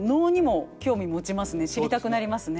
知りたくなりますね。